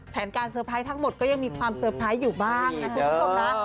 แผนการเซอร์ไพรส์ทั้งหมดก็ยังมีความเซอร์ไพรส์อยู่บ้างนะคุณผู้ชมนะ